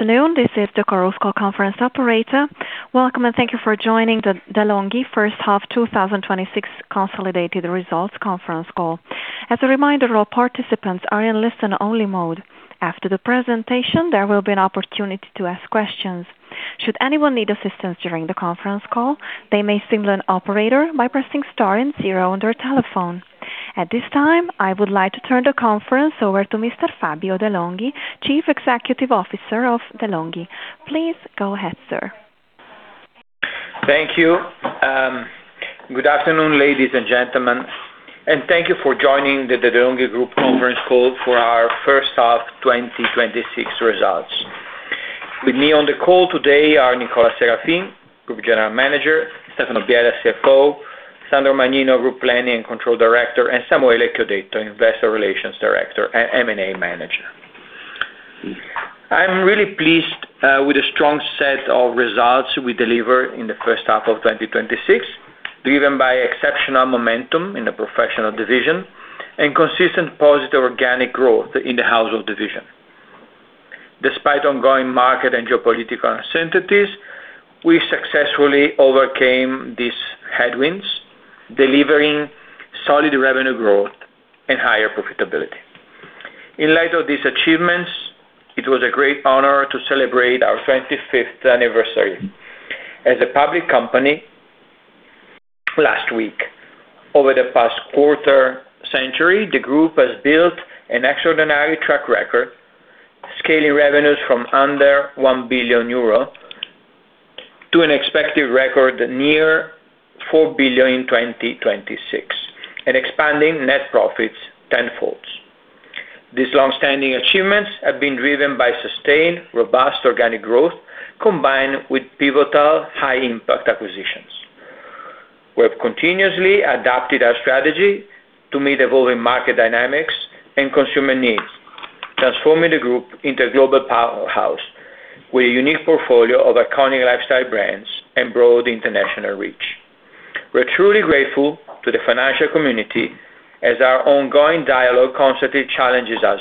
Afternoon. This is the conference call conference operator. Welcome, thank you for joining the De'Longhi First Half 2026 Consolidated Results Conference Call. As a reminder, all participants are in listen-only mode. After the presentation, there will be an opportunity to ask questions. Should anyone need assistance during the conference call, they may signal an operator by pressing star and zero on their telephone. At this time, I would like to turn the conference over to Mr. Fabio de’ Longhi, Chief Executive Officer of De'Longhi. Please go ahead, sir. Thank you. Good afternoon, ladies and gentlemen. Thank you for joining the De'Longhi Group conference call for our first half 2026 results. With me on the call today are Nicola Serafin, Group General Manager, Stefano Biella, CFO, Sandro Magnino, Group Planning and Control Director, and Samuele Chiodetto, Investor Relations Director and M&A Manager. I'm really pleased with the strong set of results we delivered in the first half of 2026, driven by exceptional momentum in the Professional division and consistent positive organic growth in the Household division. Despite ongoing market and geopolitical uncertainties, we successfully overcame these headwinds, delivering solid revenue growth and higher profitability. In light of these achievements, it was a great honor to celebrate our 25th anniversary as a public company last week. Over the past quarter-century, the group has built an extraordinary track record, scaling revenues from under 1 billion euro to an expected record near 4 billion in 2026, expanding net profits tenfold. These longstanding achievements have been driven by sustained, robust organic growth, combined with pivotal high-impact acquisitions. We have continuously adapted our strategy to meet evolving market dynamics and consumer needs, transforming the group into a global powerhouse with a unique portfolio of iconic lifestyle brands and broad international reach. We are truly grateful to the financial community as our ongoing dialogue constantly challenges us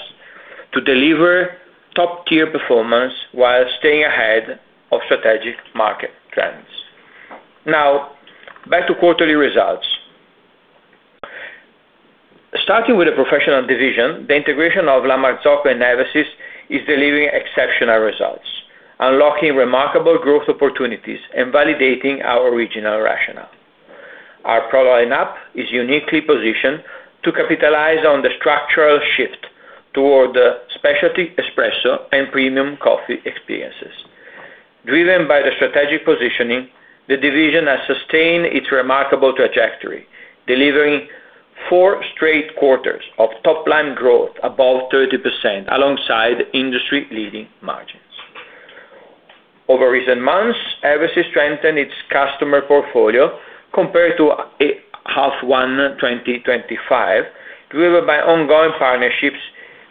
to deliver top-tier performance while staying ahead of strategic market trends. Now, back to quarterly results. Starting with the Professional division, the integration of La Marzocco and Eversys is delivering exceptional results, unlocking remarkable growth opportunities, and validating our original rationale. Our product line-up is uniquely positioned to capitalize on the structural shift toward specialty espresso and premium coffee experiences. Driven by the strategic positioning, the division has sustained its remarkable trajectory, delivering four straight quarters of top-line growth above 30%, alongside industry-leading margins. Over recent months, Eversys strengthened its customer portfolio compared to half 1 2025, driven by ongoing partnerships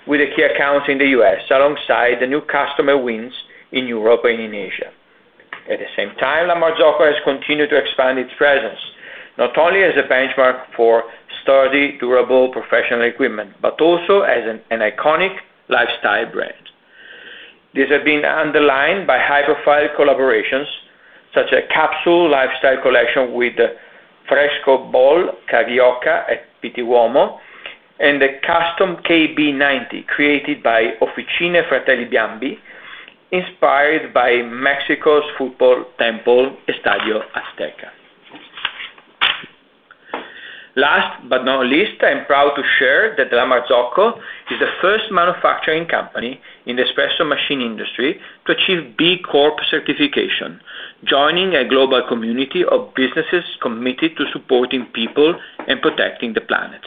with the key accounts in the U.S., alongside the new customer wins in Europe and in Asia. At the same time, La Marzocco has continued to expand its presence, not only as a benchmark for sturdy, durable professional equipment, but also as an iconic lifestyle brand. This has been underlined by high-profile collaborations, such as capsule lifestyle collection with Frescobol Carioca at Pitti Uomo, and the custom KB90 created by Officine Fratelli Bambi, inspired by Mexico's football temple, Estadio Azteca. Last but not least, I am proud to share that La Marzocco is the first manufacturing company in the espresso machine industry to achieve B Corp certification, joining a global community of businesses committed to supporting people and protecting the planet.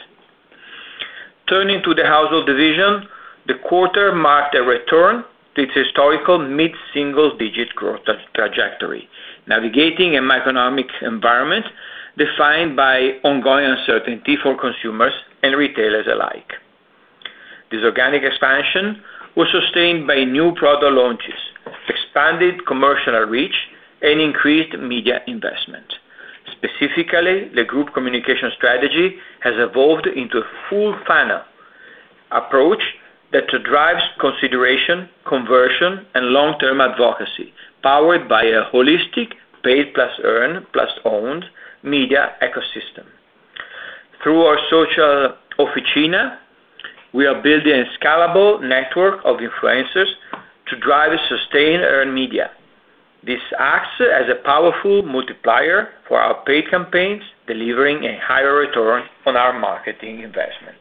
Turning to the Household division, the quarter marked a return to its historical mid-single digit growth trajectory, navigating a macroeconomic environment defined by ongoing uncertainty for consumers and retailers alike. This organic expansion was sustained by new product launches, expanded commercial reach, and increased media investment. Specifically, the group communication strategy has evolved into a full funnel approach that drives consideration, conversion, and long-term advocacy, powered by a holistic paid plus earn plus owned media ecosystem. Through our Social Officina, we are building a scalable network of influencers to drive sustained earned media. This acts as a powerful multiplier for our paid campaigns, delivering a higher return on our marketing investment.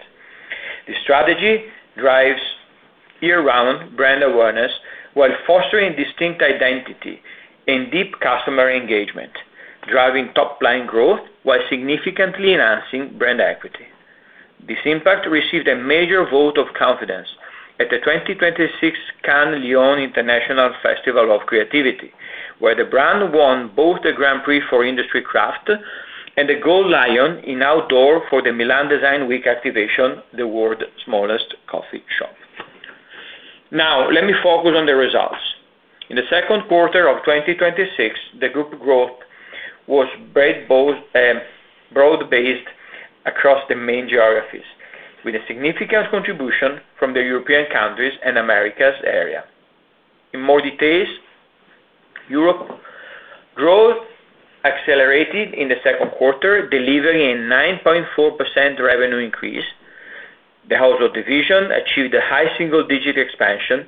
This strategy drives year-round brand awareness while fostering distinct identity and deep customer engagement, driving top-line growth while significantly enhancing brand equity. This impact received a major vote of confidence at the 2026 Cannes Lions International Festival of Creativity, where the brand won both the Grand Prix for Industry Craft and the Gold Lion in outdoor for the Milan Design Week activation, the world's smallest coffee shop. Let me focus on the results. In the Q2 of 2026, the group growth was broad-based across the main geographies, with a significant contribution from the European countries and Americas area. In more details, Europe growth accelerated in the Q2, delivering a 9.4% revenue increase. The Household division achieved a high single-digit expansion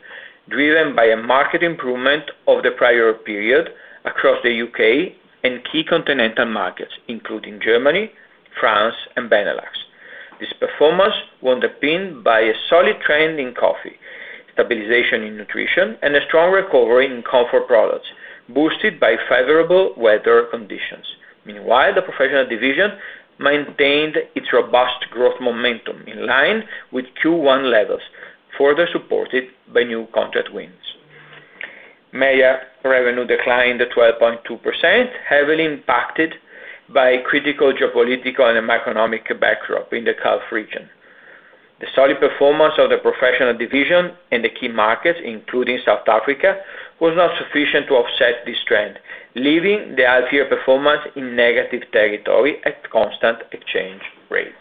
driven by a market improvement of the prior period across the U.K. and key continental markets, including Germany, France, and Benelux. This performance was underpinned by a solid trend in coffee, stabilization in nutrition, and a strong recovery in comfort products, boosted by favorable weather conditions. Meanwhile, the Professional division maintained its robust growth momentum in line with Q1 levels, further supported by new contract wins. MEIA revenue declined to 12.2%, heavily impacted by critical geopolitical and macroeconomic backdrop in the Gulf region. The solid performance of the Professional division in the key markets, including South Africa, was not sufficient to offset this trend, leaving the half-year performance in negative territory at constant exchange rates.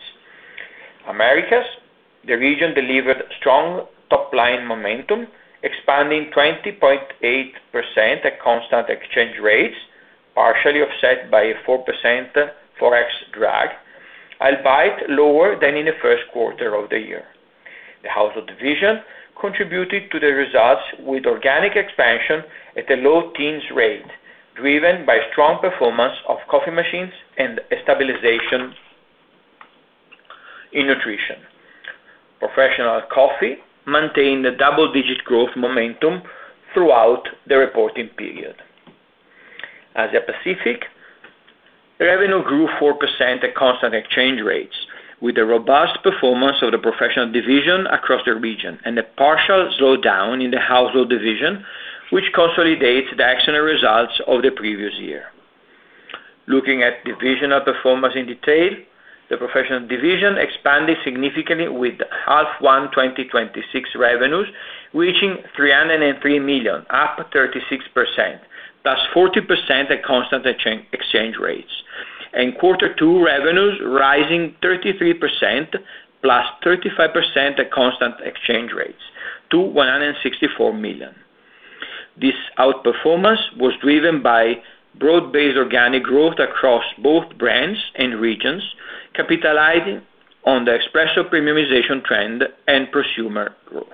Americas, the region delivered strong top-line momentum, expanding 20.8% at constant exchange rates, partially offset by a 4% Forex drag, albeit lower than in the first quarter of the year. The Household division contributed to the results with organic expansion at a low teens rate, driven by strong performance of coffee machines and stabilization in nutrition. Professional coffee maintained a double-digit growth momentum throughout the reporting period. Asia Pacific, revenue grew 4% at constant exchange rates, with the robust performance of the Professional division across the region and a partial slowdown in the Household division, which consolidates the exceptional results of the previous year. Looking at divisional performance in detail, the Professional division expanded significantly with half 1 2026 revenues reaching 303 million, up 36%, plus 40% at constant exchange rates, and quarter two revenues rising 33% plus 35% at constant exchange rates to 164 million. This outperformance was driven by broad-based organic growth across both brands and regions, capitalizing on the espresso premiumization trend and prosumer growth.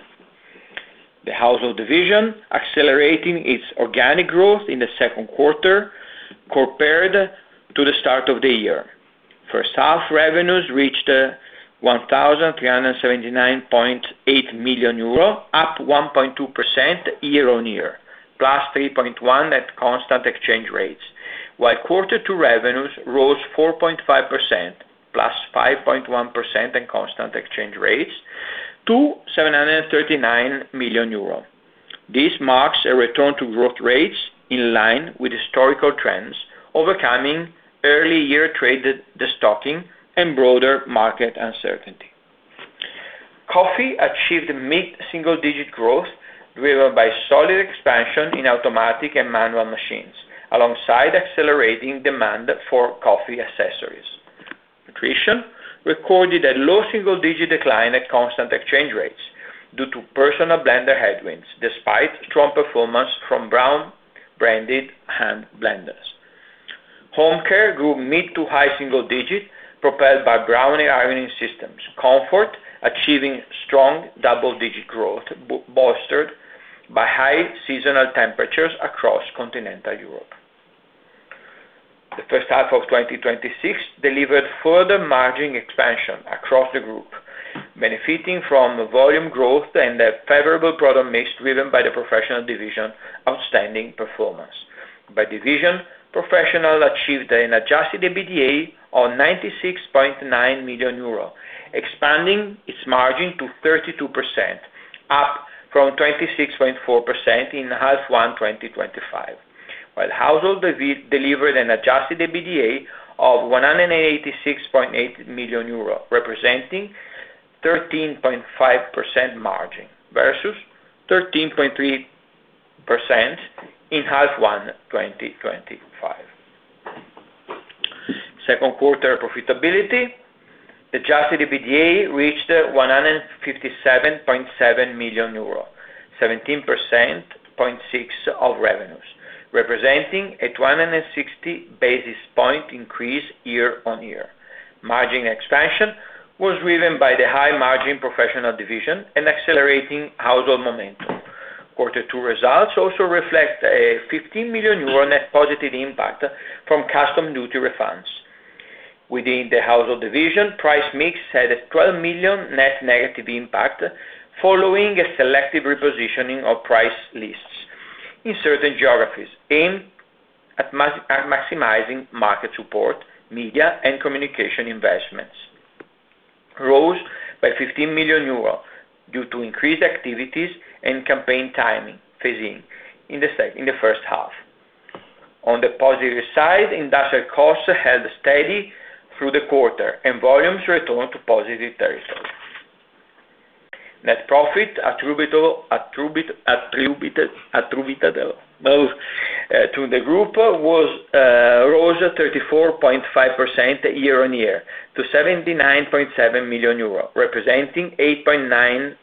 The household division accelerating its organic growth in the Q2 compared to the start of the year. First half revenues reached 1,379.8 million euro, up 1.2% year-on-year, +3.1% at constant exchange rates, while quarter two revenues rose 4.5%, +5.1% in constant exchange rates to 739 million euro. This marks a return to growth rates in line with historical trends, overcoming early year trade destocking, and broader market uncertainty. Coffee achieved mid-single-digit growth driven by solid expansion in automatic and manual machines, alongside accelerating demand for coffee accessories. Nutrition recorded a low single-digit decline at constant exchange rates due to personal blender headwinds, despite strong performance from Braun branded hand blenders. Home care grew mid- to high-single-digit, propelled by Braun ironing systems. Comfort achieving strong double-digit growth, bolstered by high seasonal temperatures across continental Europe. The first half of 2026 delivered further margin expansion across the group, benefiting from volume growth and a favorable product mix driven by the professional division outstanding performance. By division, Professional achieved an adjusted EBITDA of 96.9 million euro, expanding its margin to 32%, up from 26.4% in half one 2025. While Household delivered an adjusted EBITDA of 186.8 million euro, representing 13.5% margin versus 13.3% in half one 2025. Q2 profitability, adjusted EBITDA reached EUR 157.7 million, 17.6% of revenues, representing a 260 basis point increase year-on-year. Margin expansion was driven by the high margin professional division and accelerating household momentum. Quarter two results also reflect a 15 million euro net positive impact from custom duty refunds. Within the household division, price mix had a 12 million net negative impact following a selective repositioning of price lists in certain geographies aimed at maximizing market support, media and communication investments. Rose by 15 million euros due to increased activities and campaign timing phasing in the first half. On the positive side, industrial costs held steady through the quarter, and volumes returned to positive territory. Net profit attributable to the group rose 34.5% year-on-year to EUR 79.7 million, representing 8.9%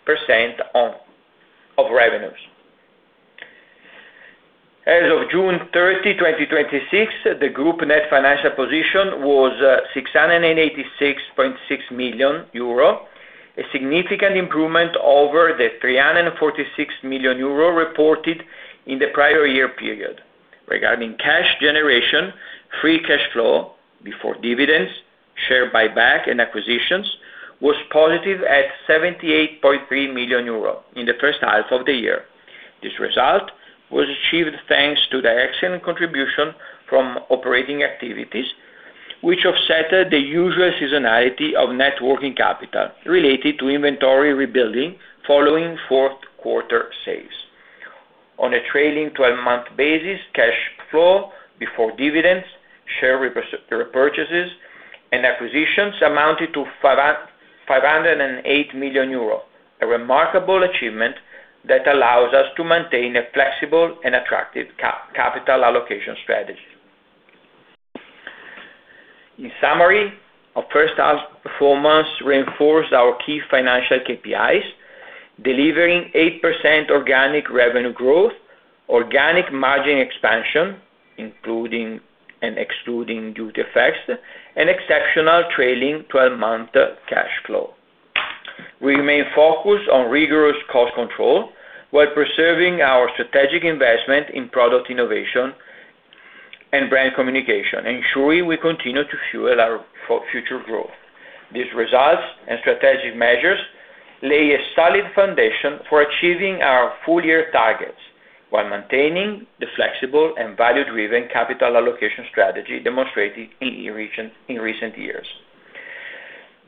of revenues. As of June 30, 2026, the group net financial position was 686.6 million euro, a significant improvement over the 346 million euro reported in the prior year period. Regarding cash generation, free cash flow before dividends, share buyback and acquisitions was positive at 78.3 million euros in the first half of the year. This result was achieved thanks to the excellent contribution from operating activities, which offset the usual seasonality of net working capital related to inventory rebuilding following fourth quarter sales. On a trailing 12-month basis, cash flow before dividends, share repurchases, and acquisitions amounted to 508 million euro, a remarkable achievement that allows us to maintain a flexible and attractive capital allocation strategy. In summary, our first half performance reinforced our key financial KPIs, delivering 8% organic revenue growth, organic margin expansion, including and excluding duty effects, and exceptional trailing 12-month cash flow. We remain focused on rigorous cost control while preserving our strategic investment in product innovation and brand communication, ensuring we continue to fuel our future growth. These results and strategic measures lay a solid foundation for achieving our full year targets while maintaining the flexible and value-driven capital allocation strategy demonstrated in recent years.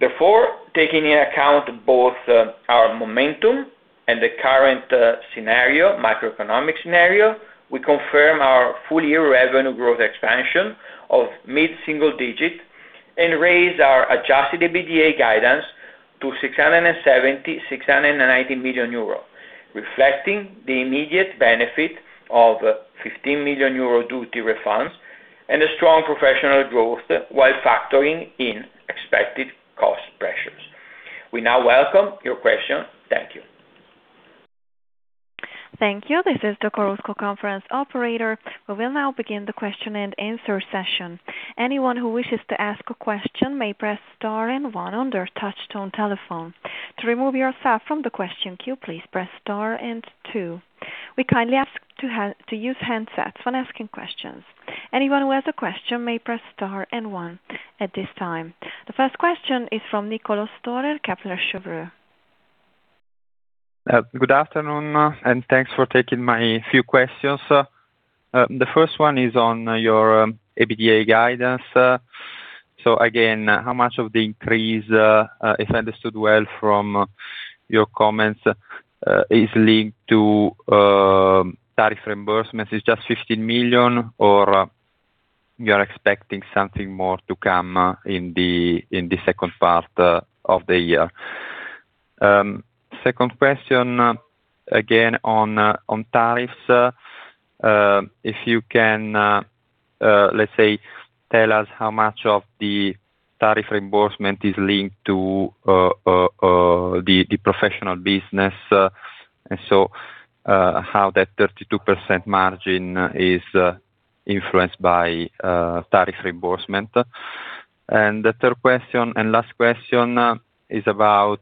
Therefore, taking into account both our momentum and the current macroeconomic scenario, we confirm our full year revenue growth expansion of mid-single digit and raise our adjusted EBITDA guidance to 670 million-690 million euros, reflecting the immediate benefit of 15 million euro duty refunds and a strong professional growth while factoring in expected cost pressures. We now welcome your question. Thank you. Thank you. This is the conference operator. We will now begin the question and answer session. Anyone who wishes to ask a question may press star and one on their touchtone telephone. To remove yourself from the question queue, please press star and two. We kindly ask to use handsets when asking questions. Anyone who has a question may press star and one at this time. The first question is from Niccolò Storer, Kepler Cheuvreux. Good afternoon, and thanks for taking my few questions. The first one is on your EBITDA guidance. Again, how much of the increase, if I understood well from your comments, is linked to tariff reimbursements? Is it just 15 million, or you are expecting something more to come in the second part of the year? Second question, again on tariffs. If you can, let's say, tell us how much of the tariff reimbursement is linked to the professional business, and so how that 32% margin is influenced by tariff reimbursement. The third question and last question is about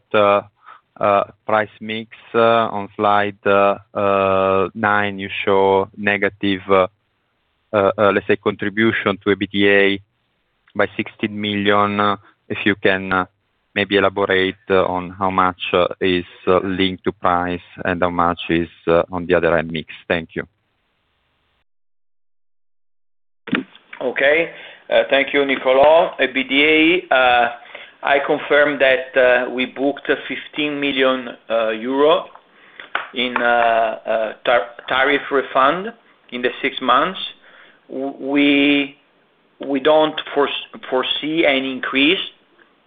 price mix. On slide nine, you show negative, let's say, contribution to EBITDA by 16 million. If you can maybe elaborate on how much is linked to price and how much is on the other end mix. Thank you. Okay. Thank you, Niccolò. EBITDA, I confirm that we booked 15 million euro in tariff refund in the six months. We don't foresee any increase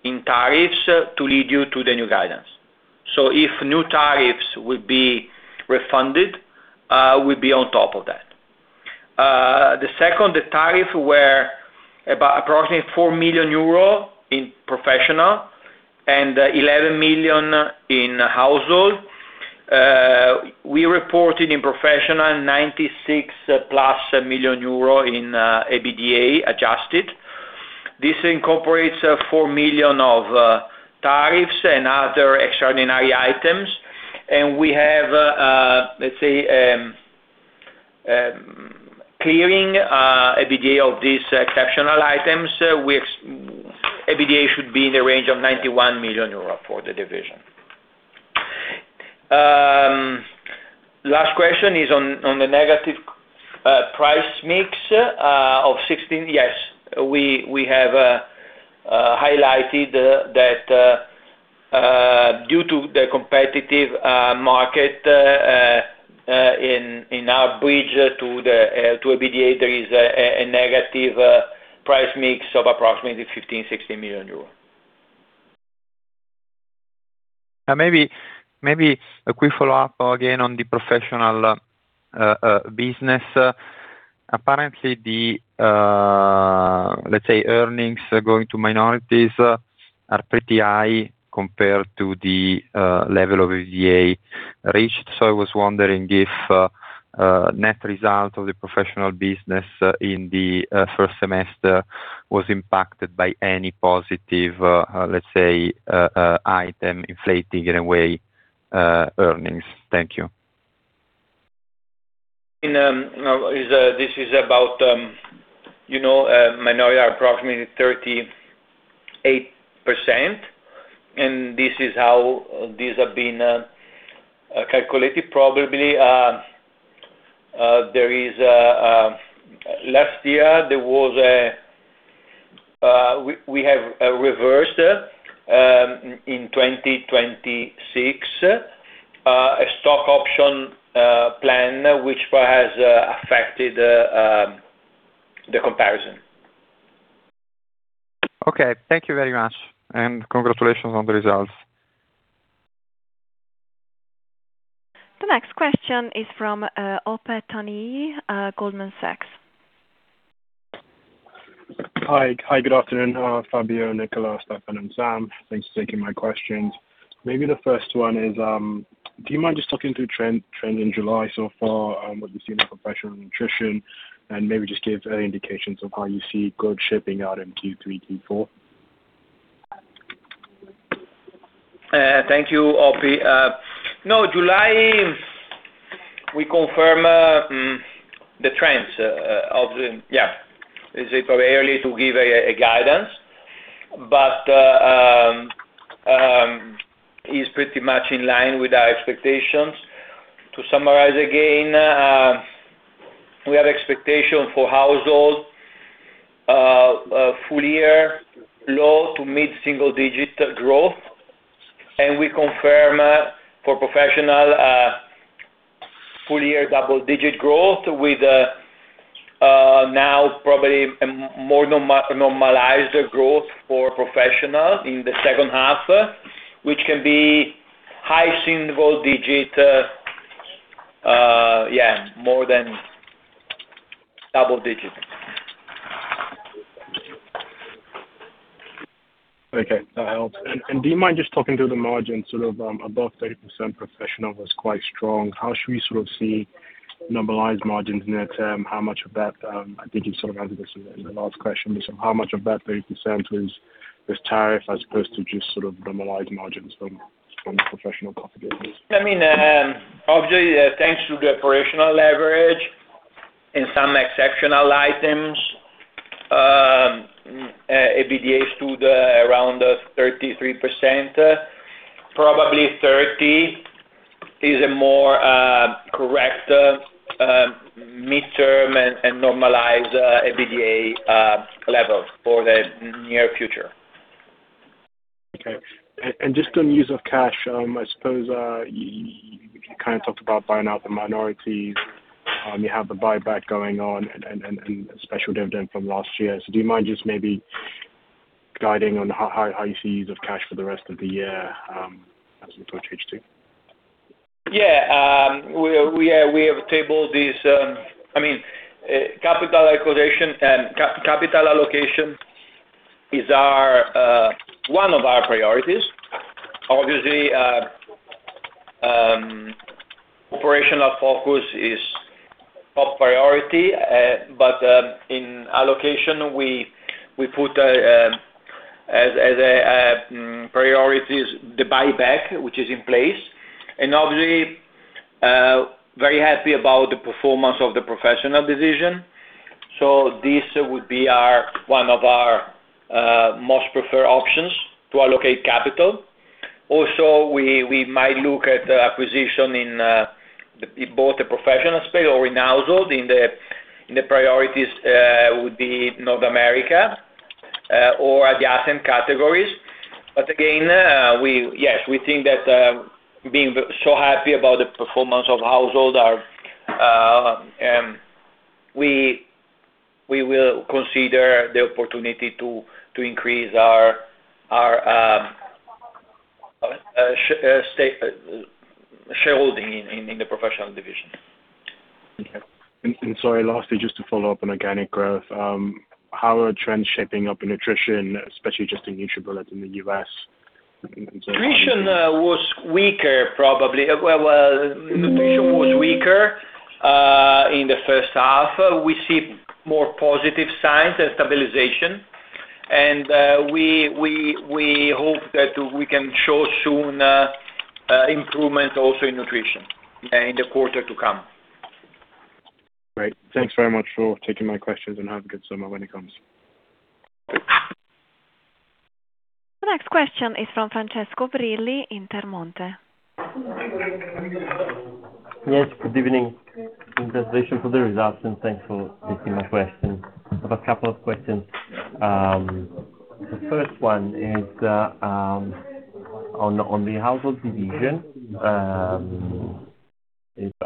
in tariffs to lead you to the new guidance. If new tariffs will be refunded, we'll be on top of that. The second tariff were approximately 4 million euro in professional and 11 million in household. We reported in professional 96+ million euro in EBITDA adjusted. This incorporates 4 million of tariffs and other extraordinary items. We have, let's say, clearing EBITDA of these exceptional items, EBITDA should be in the range of 91 million euro for the division. Last question is on the negative price mix of 16 million. Yes, we have highlighted that due to the competitive market. In our bridge to EBITDA, there is a negative price mix of approximately 15 million-16 million euros. Maybe a quick follow-up again on the professional business. Apparently, the earnings going to minorities are pretty high compared to the level of EBITDA reached. I was wondering if net result of the professional business in the first semester was impacted by any positive item inflating in a way, earnings. Thank you. This is about, minority are approximately 38%. This is how these have been calculated. Probably, last year, we have reversed, in 2026, a stock option plan which has affected the comparison. Okay. Thank you very much. Congratulations on the results. The next question is from Ope Thani, Goldman Sachs. Hi. Good afternoon, Fabio, Nicola, Stefan, and Sam. Thanks for taking my questions. The first one is, do you mind just talking through trends in July so far, what you see in the professional coffee, and just give an indication of how you see growth shaping out in Q3, Q4? Thank you, Ope. July, we confirm the trends. It is early to give a guidance, but it's pretty much in line with our expectations. To summarize again, we have expectation for household, full year low to mid single digit growth, and we confirm for professional, full year double digit growth with now probably a more normalized growth for professional in the second half, which can be high single digit. More than double digit. Okay, that helps. Do you mind just talking through the margins, above 30% professional was quite strong. How should we see normalized margins near term? I think you answered this in the last question. How much of that 30% was tariffs as opposed to just normalized margins from professional profit gains? Obviously, thanks to the operational leverage and some exceptional items, EBITDA stood around 33%. Probably 30% is a more correct midterm and normalized EBITDA level for the near future. Okay. Just on use of cash, I suppose, you kind of talked about buying out the minorities. You have the buyback going on and special dividend from last year. Do you mind just maybe guiding on how you see use of cash for the rest of the year as we approach H2? Yeah. Capital allocation is one of our priorities. Obviously, operational focus is top priority. In allocation, we put as a priority the buyback, which is in place, and obviously, very happy about the performance of the professional division. This would be one of our most preferred options to allocate capital. Also, we might look at acquisition in both the professional space or in household in the priorities would be North America, or adjacent categories. Again, yes, we think that being so happy about the performance of household, we will consider the opportunity to increase our shareholding in the professional division. Okay. Sorry, lastly, just to follow up on organic growth, how are trends shaping up in nutrition, especially just in NutriBullet in the U.S.? Nutrition was weaker probably. Nutrition was weaker in the first half. We see more positive signs and stabilization, and we hope that we can show soon improvement also in nutrition in the quarter to come. Great. Thanks very much for taking my questions, have a good summer when it comes. The next question is from Francesco Brilli, Intermonte. Yes, good evening. Congratulations for the results, thanks for taking my question. I have a couple of questions. The first one is on the household division.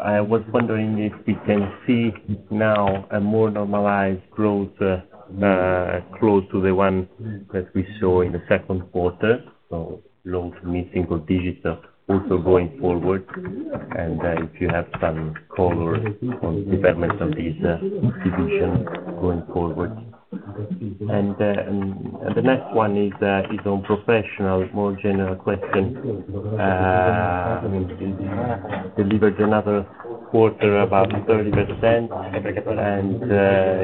I was wondering if we can see now a more normalized growth, close to the one that we saw in the Q2, so low to mid single digits also going forward. If you have some color on the development of this division going forward. The next one is on professional, more general question. You delivered another quarter above 30%,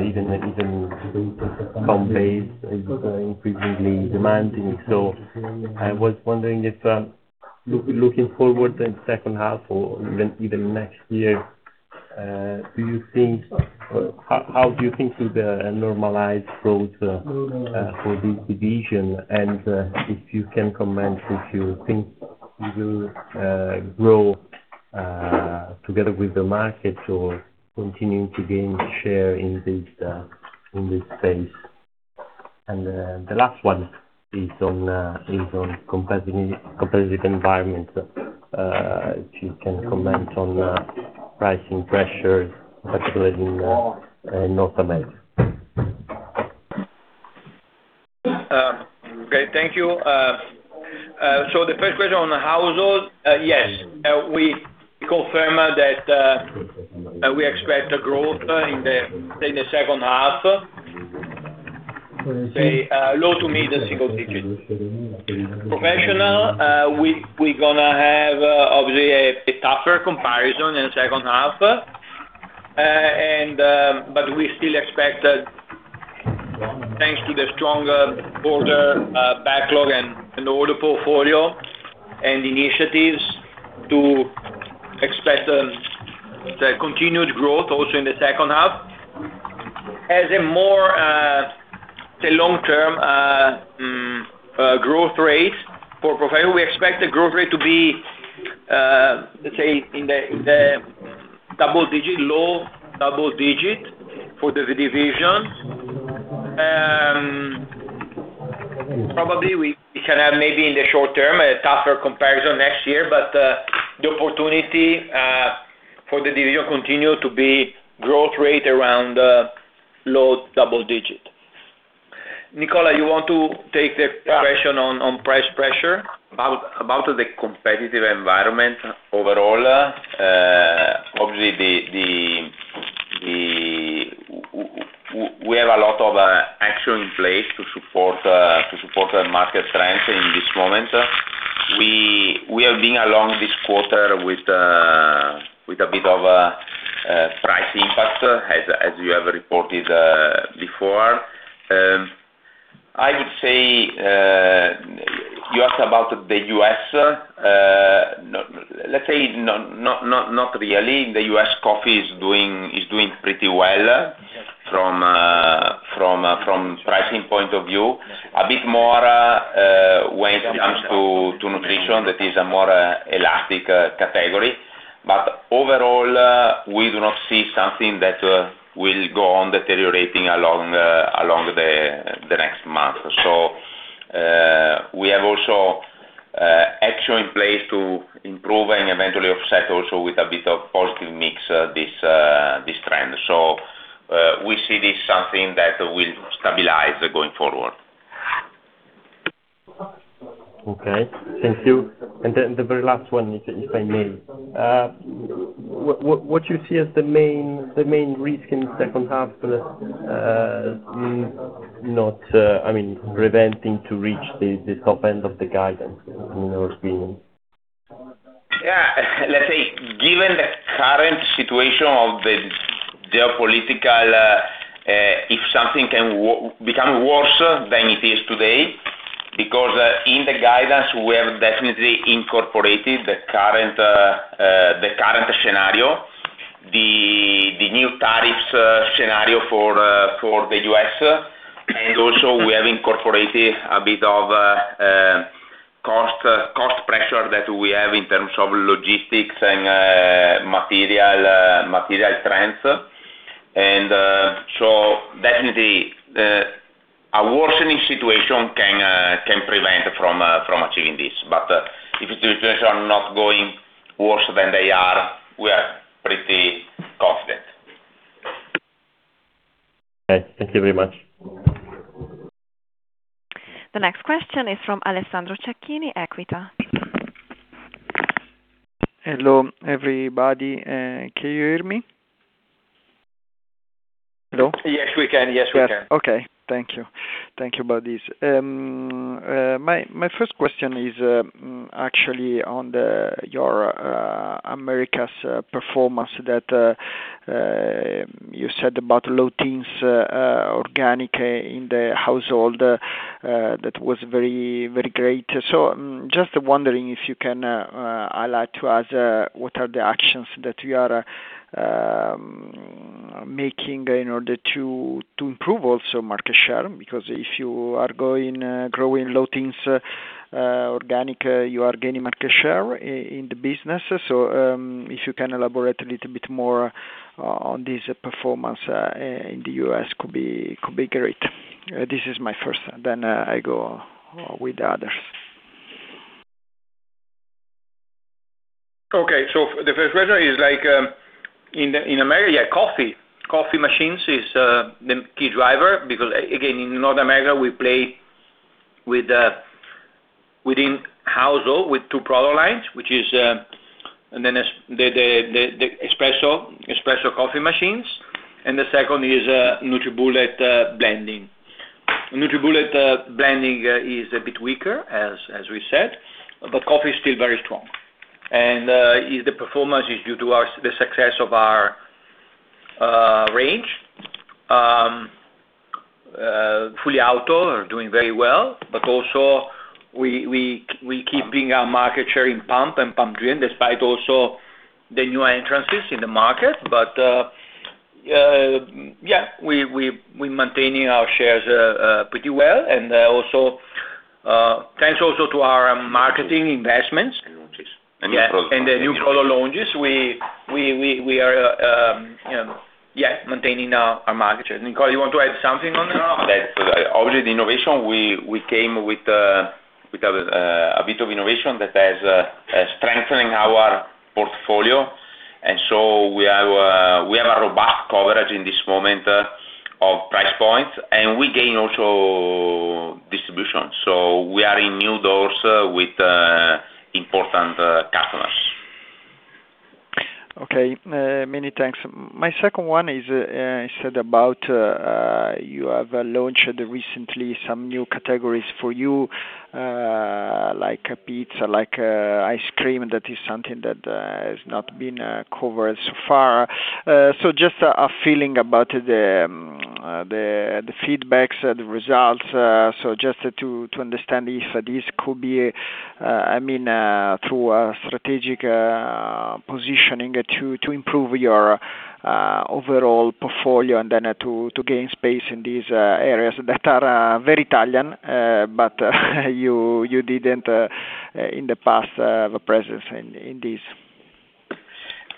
even comp-based is increasingly demanding. I was wondering if, looking forward in the second half or even next year, how do you think is the normalized growth for this division, if you can comment if you think you will grow together with the market or continue to gain share in this space? The last one is on competitive environment. If you can comment on pricing pressures, especially in North America. Great. Thank you. The first question on household. Yes, we confirm that we expect a growth in the second half, say, low to mid single digits. Professional, we are going to have, obviously, a tougher comparison in the second half. We still expect, thanks to the stronger order backlog and order portfolio and initiatives, to expect a continued growth also in the second half. As a more long-term growth rate for professional, we expect the growth rate to be, let's say, in the low double digit for the division. Probably, we can have maybe in the short term, a tougher comparison next year. The opportunity for the division continue to be growth rate around low double digit. Nicola, you want to take the question on price pressure? About the competitive environment overall, obviously, we have a lot of action in place to support the market trends in this moment. We have been along this quarter with a bit of a price impact, as we have reported before. You asked about the U.S. Let's say, not really. The U.S. coffee is doing pretty well from pricing point of view, a bit more when it comes to nutrition, that is a more elastic category. Overall, we do not see something that will go on deteriorating along the next month. We have also action in place to improve and eventually offset also with a bit of positive mix, this trend. We see this something that will stabilize going forward. Okay. Thank you. The very last one, if I may. What you see as the main risk in the second half, preventing to reach the top end of the guidance, in your opinion? Let's say, given the current situation of the geopolitical, if something can become worse than it is today. In the guidance, we have definitely incorporated the current scenario, the new tariffs scenario for the U.S., also, we have incorporated a bit of cost pressure that we have in terms of logistics and material trends. Definitely, a worsening situation can prevent from achieving this. If the situations are not going worse than they are, we are pretty confident. Okay. Thank you very much. The next question is from Alessandro Cecchini, Equita. Hello, everybody. Can you hear me? Hello? Yes, we can. Okay. Thank you. Thank you about this. My first question is actually on your Americas performance that you said about low teens organic in the household. That was very great. Just wondering if you can highlight to us what are the actions that you are making in order to improve also market share, because if you are growing low teens organic, you are gaining market share in the business. If you can elaborate a little bit more on this performance in the U.S., could be great. This is my first, I go with the others. Okay. The first question is, in America, coffee machines is the key driver because, again, in North America, we play within household with two product lines, the espresso coffee machines, and the second is NutriBullet blending. NutriBullet blending is a bit weaker, as we said, but coffee is still very strong. The performance is due to the success of our range. Fully auto are doing very well, but also we keep being our market share in pump and pump-driven, despite also the new entrances in the market. Yeah, we are maintaining our shares pretty well. Thanks also to our marketing investments. Launches. New product launches. Yeah, the new product launches. We are maintaining our market share. Nicola, you want to add something on that? Obviously, the innovation, we came with a bit of innovation that has strengthened our portfolio. We have a robust coverage in this moment of price points, and we gain also distribution. We are in new doors with important customers. Okay. Many thanks. My second one is about, you have launched recently some new categories for you, like pizza, like ice cream. That is something that has not been covered so far. Just a feeling about the feedback, the results. Just to understand if this could be, through a strategic positioning to improve your overall portfolio and then to gain space in these areas that are very Italian, but you didn't, in the past, have a presence in these.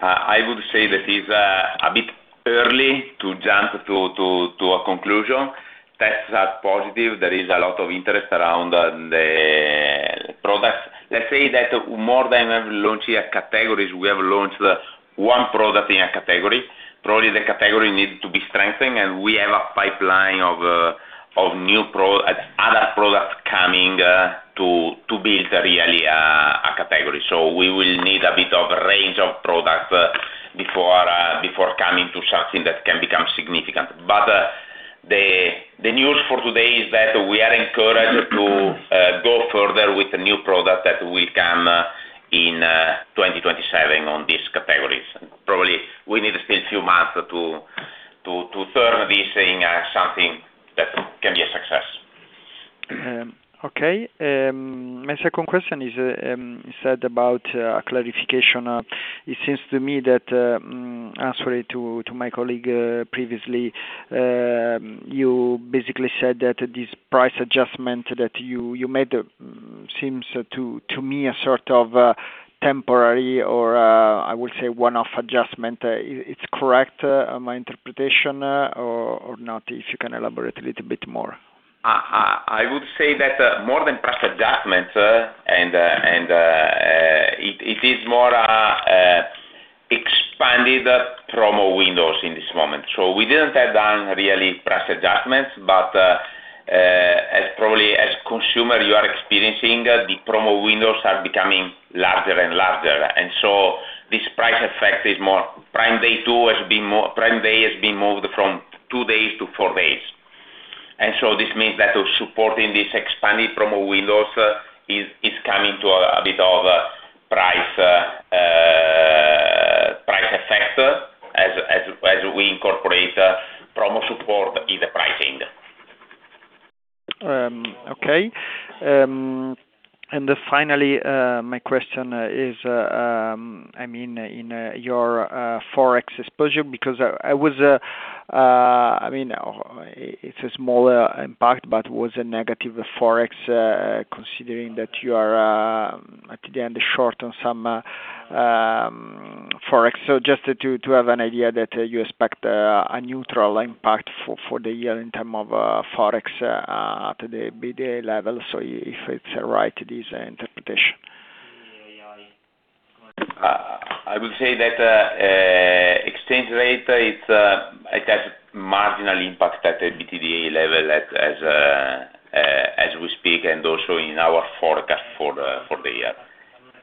I would say that is a bit early to jump to a conclusion. Tests are positive. There is a lot of interest around the products. Let's say that more than we have launched new categories, we have launched one product in a category. Probably the category needs to be strengthened, and we have a pipeline of other products coming to build really a category. We will need a bit of range of products before coming to something that can become significant. The news for today is that we are encouraged to go further with the new product that will come in 2027 on these categories. Probably we need to spend a few months to turn this in something that can be a success. Okay. My second question is about a clarification. It seems to me that, answering to my colleague previously, you basically said that this price adjustment that you made seems to me a sort of temporary or, I would say, one-off adjustment. It's correct, my interpretation, or not? If you can elaborate a little bit more. I would say that more than price adjustments, it is more expanded promo windows in this moment. We didn't have done really price adjustments, as probably as consumer, you are experiencing, the promo windows are becoming larger and larger. This price effect is more Prime Day has been moved from two days to four days. This means that supporting these expanded promo windows is coming to a bit of a price effect as we incorporate promo support in the pricing. Okay. Finally, my question is in your Forex exposure, it's a small impact, but was a negative Forex, considering that you are, at the end, short on some Forex. Just to have an idea that you expect a neutral impact for the year in term of Forex at the EBITDA level. If it's right, this interpretation. I would say that exchange rate, it has marginal impact at EBITDA level as we speak, and also in our forecast for the year.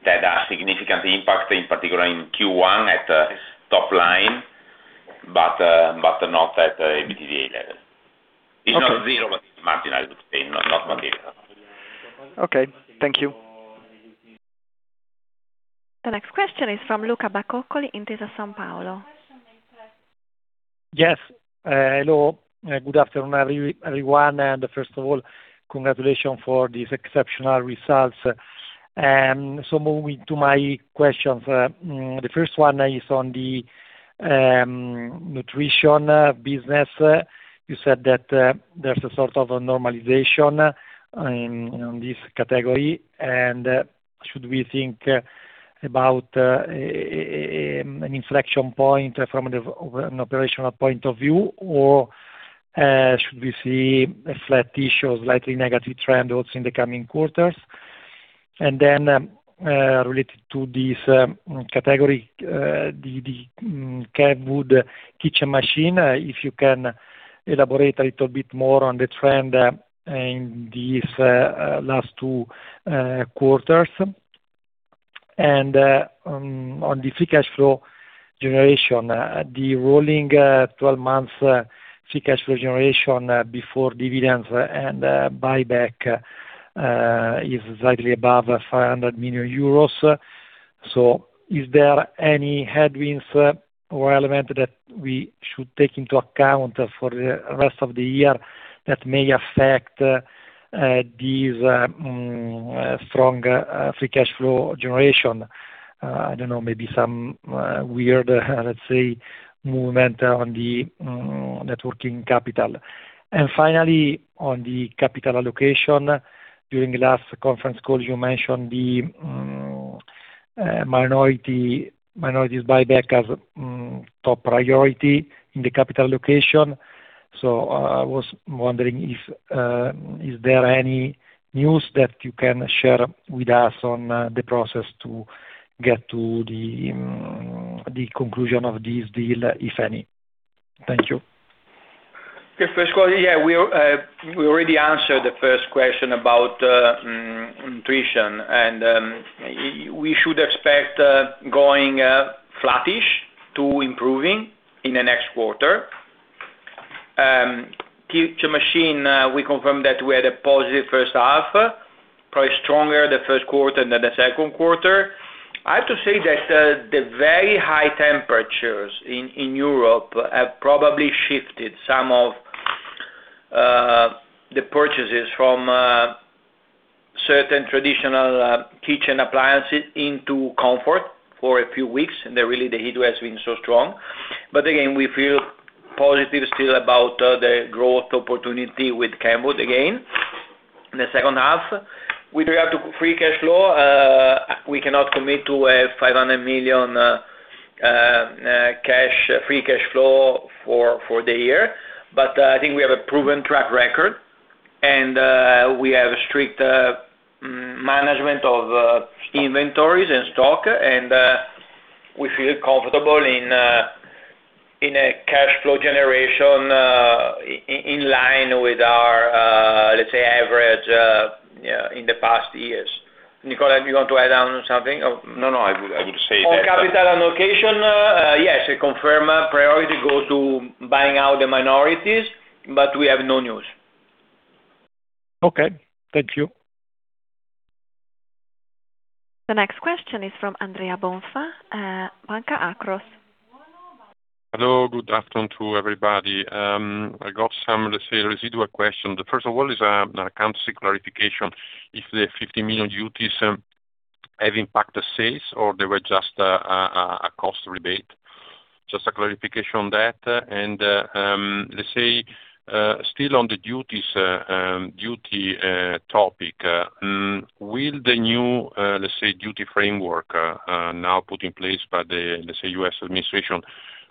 That a significant impact, in particular in Q1 at top line, but not at EBITDA level. Okay. It's not zero, but it's marginal, I would say. Not material. Okay. Thank you. The next question is from Luca Bacoccoli, Intesa Sanpaolo. Yes. Hello, good afternoon, everyone. First of all, congratulations for these exceptional results. Moving to my questions. The first one is on the nutrition business. You said that there's a sort of a normalization on this category. Should we think about an inflection point from an operational point of view? Should we see a flat issue or slightly negative trend also in the coming quarters? Related to this category, the Kenwood kitchen machine, if you can elaborate a little bit more on the trend in these last two quarters. On the free cash flow generation, the rolling 12 months free cash flow generation before dividends and buyback is slightly above 500 million euros. Is there any headwinds or element that we should take into account for the rest of the year that may affect these strong free cash flow generation? I don't know, maybe some weird, let's say, movement on the networking capital. Finally, on the capital allocation, during the last conference call, you mentioned the minorities buyback has top priority in the capital allocation. I was wondering if there any news that you can share with us on the process to get to the conclusion of this deal, if any. Thank you. Yeah. We already answered the first question about nutrition. We should expect going flattish to improving in the next quarter. Kitchen machine, we confirm that we had a positive first half, probably stronger the first quarter than the Q2. I have to say that the very high temperatures in Europe have probably shifted some of the purchases from certain traditional kitchen appliances into comfort for a few weeks, really, the heat has been so strong. Again, we feel positive still about the growth opportunity with Kenwood again in the second half. With regard to free cash flow, we cannot commit to a 500 million free cash flow for the year. I think we have a proven track record. We have strict management of inventories and stock. We feel comfortable in a cash flow generation in line with our, let's say, average in the past years. Nicola, you want to add on something? No, I would say that. On capital allocation, yes, I confirm priority go to buying out the minorities. We have no news. Okay. Thank you. The next question is from Andrea Bonfà, Banca Akros. Hello, good afternoon to everybody. I got some, let's say, residual question. The first of all is an account seek clarification if the 50 million duties have impacted sales or they were just a cost rebate. Just a clarification on that. Still on the duties topic, will the new, let's say, duty framework now put in place by the, let's say, U.S. administration,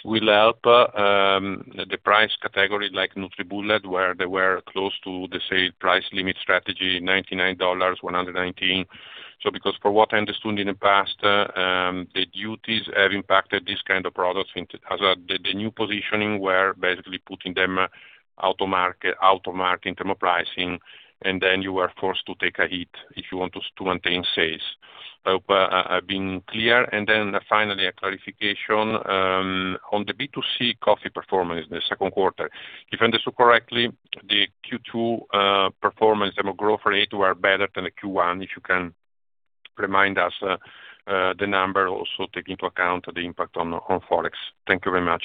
will help the price category, like NutriBullet, where they were close to, let's say, price limit strategy $99, $119. Because from what I understood in the past, the duties have impacted this kind of products as the new positioning were basically putting them out of market in term of pricing, and then you were forced to take a hit if you want to maintain sales. I hope I've been clear. Finally, a clarification, on the B2C coffee performance in the Q2. If I understood correctly, the Q2 performance and the growth rate were better than the Q1. If you can remind us the number, also take into account the impact on Forex. Thank you very much.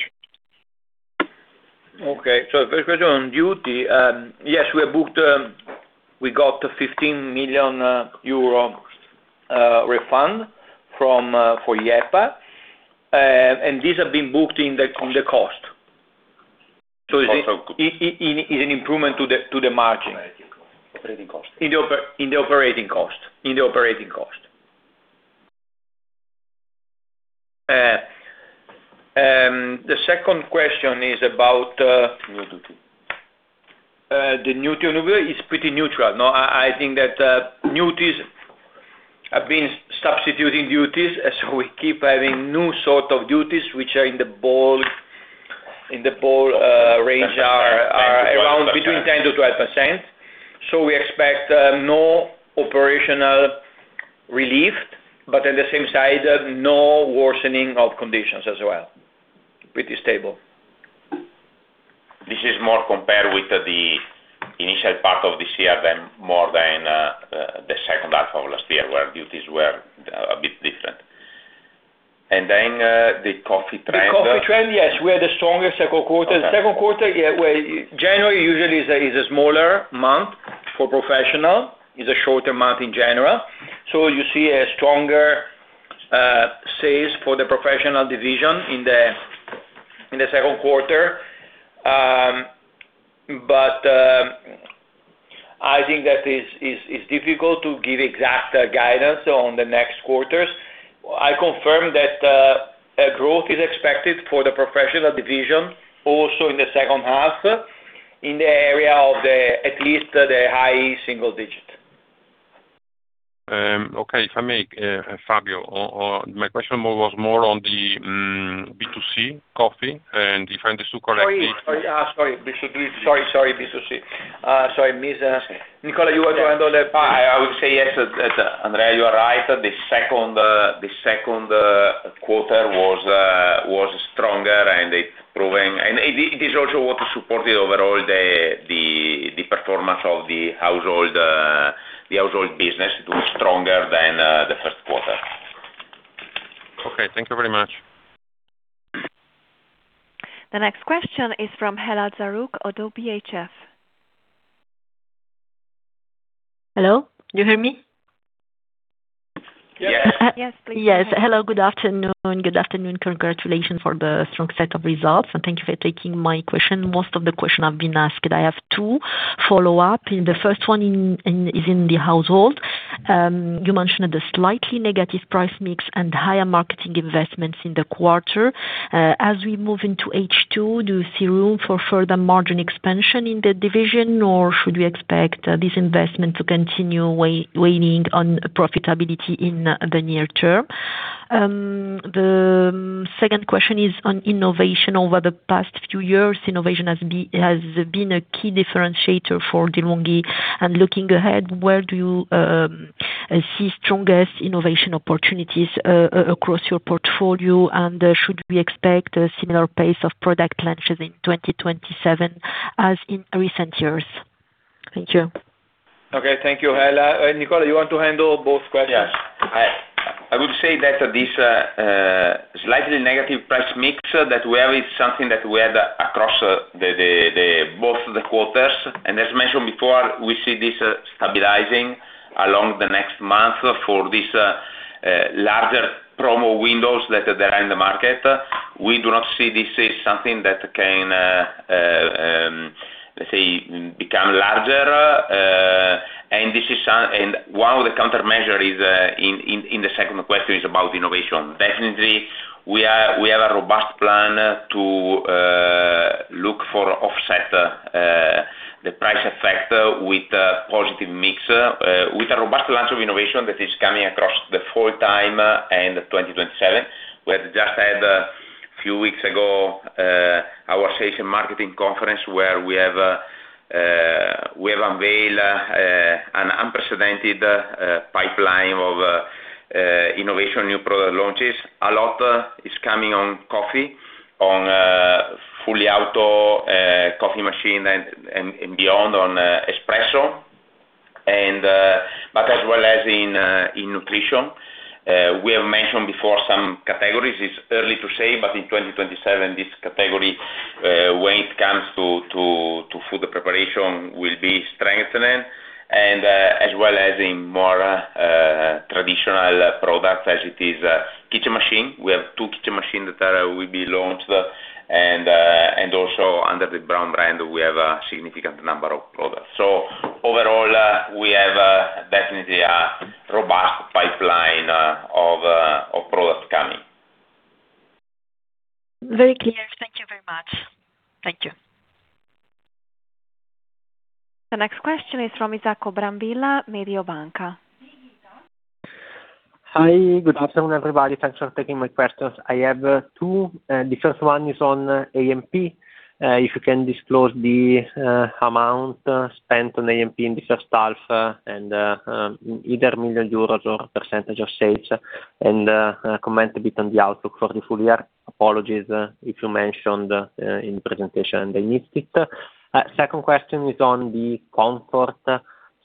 The first question on duty. Yes, we got 15 million euro refund for IEEPA. These have been booked on the cost. Also good. It's an improvement to the margin. Operating cost. In the operating cost. The second question is about New duty. the new duty. It's pretty neutral. No, I think that duties have been substituting duties, we keep having new sort of duties, which are in the bold range 10%-12% are around between 10%-12%. We expect no operational relief, but at the same side, no worsening of conditions as well. Pretty stable. This is more compared with the initial part of this year than more than the second half of last year, where duties were a bit different. The coffee trend. The coffee trend, yes. We had a stronger Q2. Okay. Q2, January usually is a smaller month for professional, is a shorter month in general. You see a stronger sales for the professional division in the Q2. I think that is difficult to give exact guidance on the next quarters. I confirm that growth is expected for the professional division, also in the second half, in the area of at least the high single digit. Okay. Fabio, my question was more on the B2C coffee. Sorry, B2C. Sorry. Nicola, you want to handle that part? I would say yes, Andrea Bonfà, you are right. The Q2 was stronger and it is also what supported overall the performance of the household business. It was stronger than the first quarter. Okay. Thank you very much. The next question is from Hela Zarrouk, Oddo BHF. Hello, you hear me? Yes. Yes. Yes. Hello, good afternoon. Congratulations for the strong set of results, and thank you for taking my question. Most of the question I've been asked, I have two follow-up. The first one is in the household. You mentioned the slightly negative price mix and higher marketing investments in the quarter. As we move into H2, do you see room for further margin expansion in the division, or should we expect this investment to continue waning on profitability in the near term? The second question is on innovation. Over the past few years, innovation has been a key differentiator for De'Longhi, and looking ahead, where do you see strongest innovation opportunities across your portfolio, and should we expect a similar pace of product launches in 2027 as in recent years? Thank you. Okay. Thank you, Hela. Nicola, you want to handle both questions? Yes. I would say that this slightly negative price mix that we have is something that we had across both the quarters. As mentioned before, we see this stabilizing along the next month for these larger promo windows that are in the market. We do not see this as something that can become larger. One of the countermeasure in the second question is about innovation. Definitely, we have a robust plan to look for offset the price effect with a positive mix, with a robust launch of innovation that is coming across the full time in 2027. We have just had, a few weeks ago, our sales and marketing conference where we have unveiled an unprecedented pipeline of innovation, new product launches. A lot is coming on coffee, on fully auto coffee machine and beyond on espresso. But as well as in nutrition. We have mentioned before some categories. It's early to say, but in 2027, this category, when it comes to food preparation, will be strengthening. As well as in more traditional products as it is kitchen machine. We have two kitchen machine that will be launched. Also under the Braun brand, we have a significant number of products. Overall, we have definitely a robust pipeline of products coming. Very clear. Thank you very much. Thank you. The next question is from Isacco Brambilla, Mediobanca. Hi. Good afternoon, everybody. Thanks for taking my questions. I have two. The first one is on A&P. If you can disclose the amount spent on A&P in the first half and either million euros or percentage of sales, and comment a bit on the outlook for the full year. Apologies if you mentioned in the presentation and I missed it. Second question is on the comfort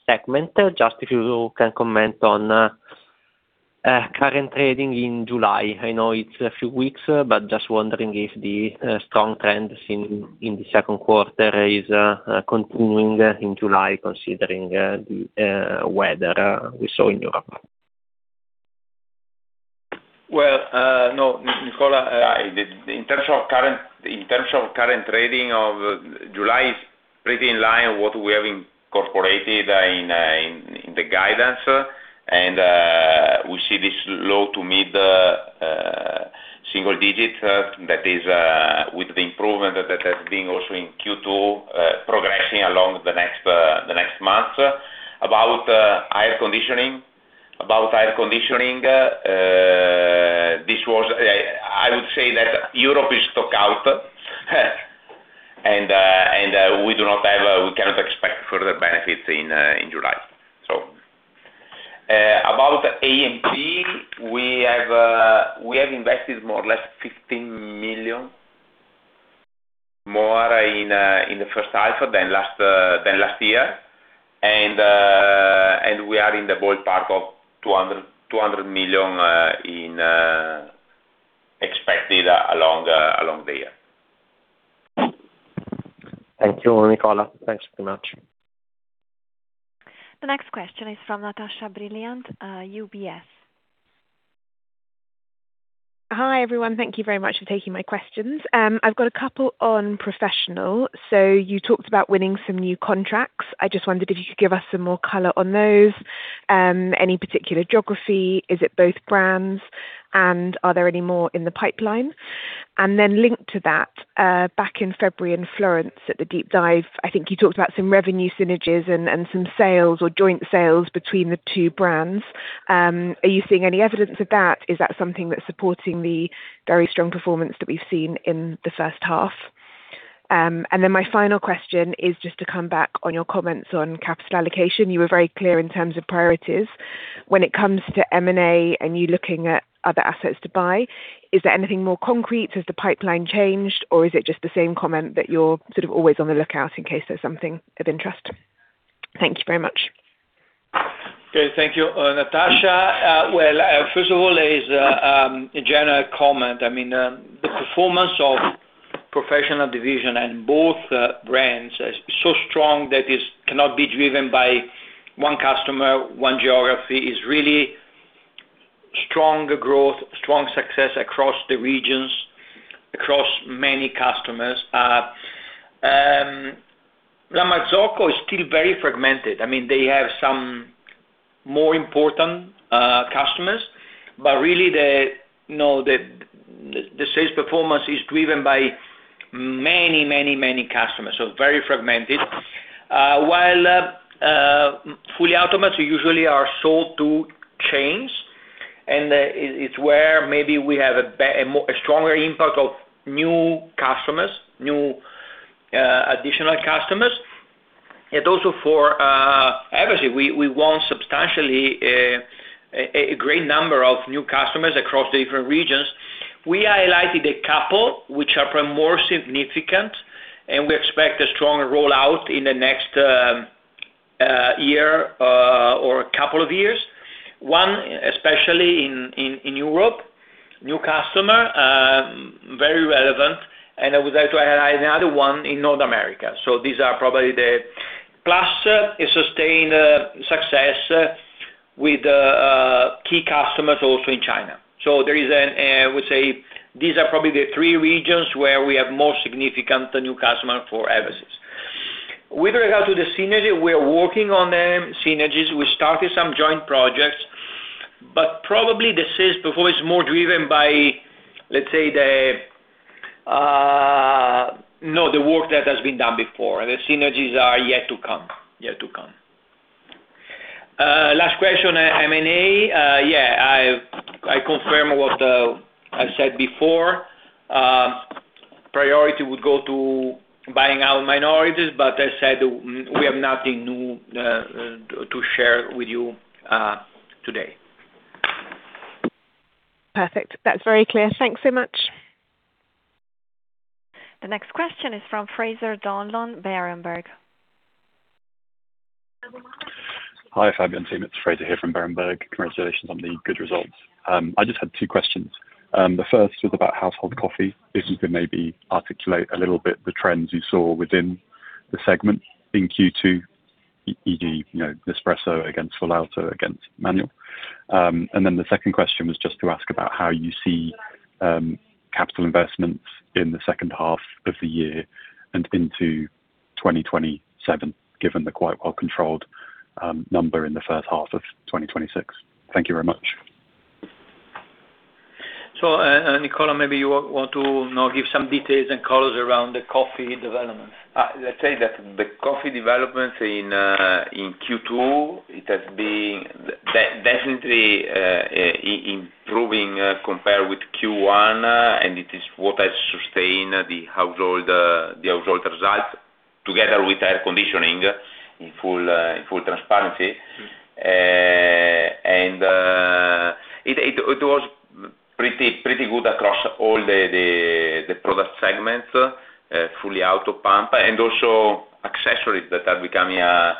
segment. Just if you can comment on current trading in July. I know it's a few weeks, but just wondering if the strong trends in the Q2 is continuing in July considering the weather we saw in Europe. Well, no, Nicola, in terms of current trading of July is pretty in line with what we have incorporated in the guidance. We see this low to mid single digits that is with the improvement that has been also in Q2 progressing along the next month. About air conditioning, I would say that Europe is stock out and we cannot expect further benefits in July. About A&P, we have invested more or less 15 million more in the first half than last year. We are in the ballpark of 200 million expected along the year. Thank you, Nicola. Thanks very much. The next question is from Natasha Brilliant, UBS. Hi, everyone. Thank you very much for taking my questions. I've got a couple on professional. You talked about winning some new contracts. I just wondered if you could give us some more color on those, any particular geography, is it both brands, and are there any more in the pipeline? Linked to that, back in February in Florence at the deep dive, I think you talked about some revenue synergies and some sales or joint sales between the two brands. Are you seeing any evidence of that? Is that something that's supporting the very strong performance that we've seen in the first half? My final question is just to come back on your comments on capital allocation. You were very clear in terms of priorities. When it comes to M&A and you looking at other assets to buy, is there anything more concrete? Has the pipeline changed or is it just the same comment that you're sort of always on the lookout in case there's something of interest? Thank you very much. Thank you, Natasha. First of all, is a general comment. The performance of professional division and both brands is so strong that it cannot be driven by one customer, one geography. It's really strong growth, strong success across the regions, across many customers. La Marzocco is still very fragmented. They have some more important customers, but really, the sales performance is driven by many customers. Very fragmented. While fully automatic, we usually are sold to chains, and it's where maybe we have a stronger impact of new additional customers. Also for Eversys, we won substantially a great number of new customers across different regions. We highlighted a couple which are more significant, and we expect a strong rollout in the next year or couple of years. One, especially in Europe, new customer, very relevant, and I would like to highlight another one in North America. These are probably the Plus, a sustained success with key customers also in China. I would say these are probably the three regions where we have more significant new customer for Eversys. With regard to the synergy, we're working on the synergies. We started some joint projects, but probably the sales performance is more driven by the work that has been done before. The synergies are yet to come. Last question, M&A. I confirm what I said before. Priority would go to buying out minorities, but as I said, we have nothing new to share with you today. Perfect. That is very clear. Thanks so much. The next question is from Fraser Donlon, Berenberg. Hi, Fabio and team. It is Fraser here from Berenberg. Congratulations on the good results. I just had two questions. The first was about household coffee. If you could maybe articulate a little bit the trends you saw within the segment in Q2, e.g., Nespresso against Full Auto against manual. The second question was just to ask about how you see capital investments in the second half of the year and into 2027, given the quite well-controlled number in the first half of 2026. Thank you very much. Nicola, maybe you want to now give some details and colors around the coffee developments. Let's say that the coffee developments in Q2, it has been definitely improving compared with Q1, it is what has sustained the household result, together with air conditioning, in full transparency. It was pretty good across all the product segments, fully auto pump, and also accessories that are becoming an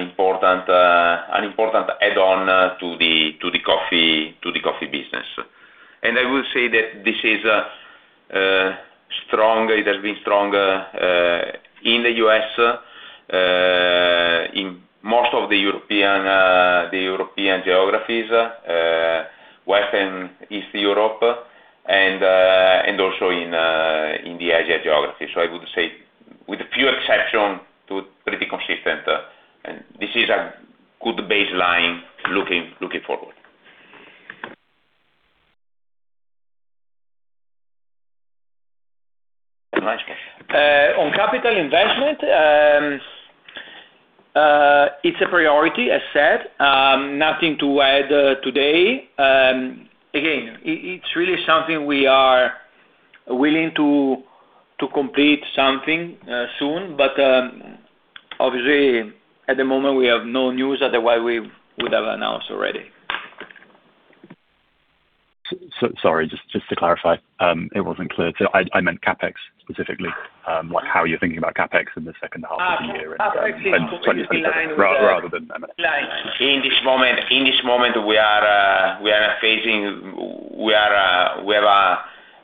important add-on to the coffee business. I will say that this is stronger. It has been stronger in the U.S., in most of the European geographies, West and East Europe, and also in the Asia geography. I would say with few exceptions, it's pretty consistent, and this is a good baseline looking forward. On capital investment, it's a priority, as said. Nothing to add today. Again, it's really something we are willing to complete something soon. Obviously, at the moment, we have no news. Otherwise, we would have announced already. Sorry, just to clarify. It wasn't clear. I meant CapEx specifically, how you're thinking about CapEx in the second half of the year? CapEx is. In 2025 rather than M&A. In this moment, we have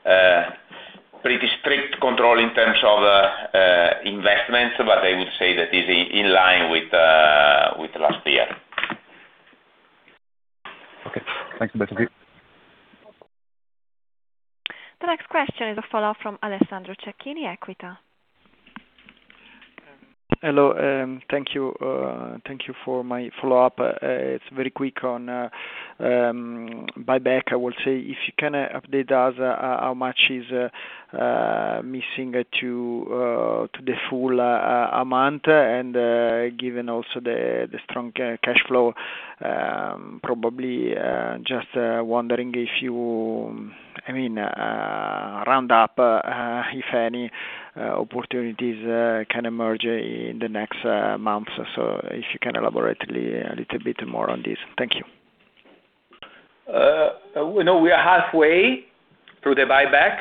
a pretty strict control in terms of investments, but I would say that is in line Okay, thanks a bunch. The next question is a follow-up from Alessandro Cecchini, Equita. Hello, thank you for my follow-up. It's very quick on buyback. I would say, if you can update us, how much is missing to the full amount? Given also the strong cash flow, probably just wondering if you round up, if any opportunities can emerge in the next months. If you can elaborate a little bit more on this. Thank you. We are halfway through the buyback.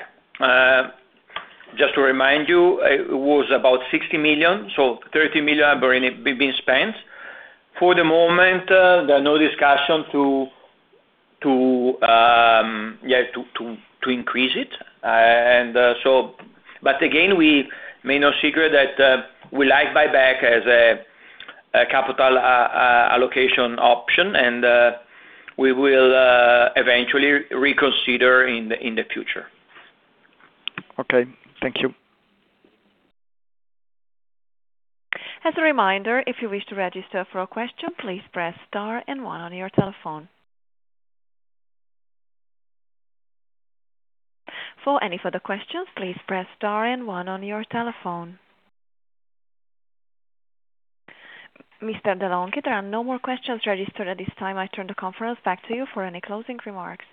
Just to remind you, it was about 60 million, so 30 million have been spent. For the moment, there are no discussions to increase it. It is no secret that we like buyback as a capital allocation option, and we will eventually reconsider in the future. Okay, thank you. As a reminder, if you wish to register for a question, please press star and one on your telephone. For any further questions, please press star and one on your telephone. Mr. de' Longhi, there are no more questions registered at this time. I turn the conference back to you for any closing remarks.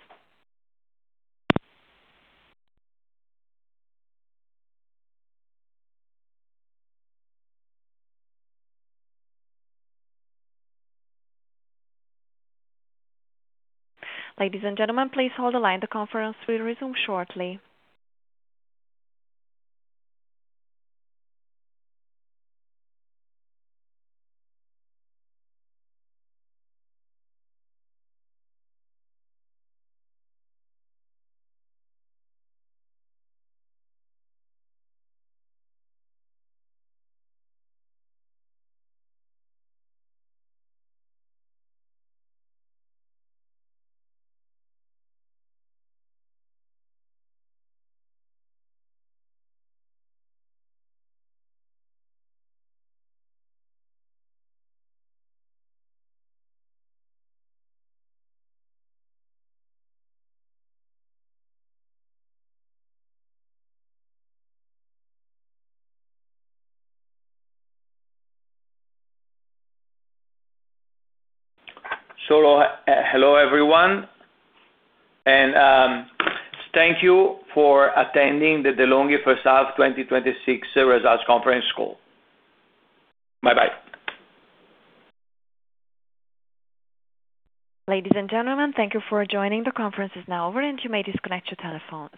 Ladies and gentlemen, please hold the line. The conference will resume shortly. Hello, everyone, and thank you for attending the De'Longhi First Half 2026 results conference call. Bye-bye. Ladies and gentlemen, thank you for joining. The conference is now over. You may disconnect your telephones.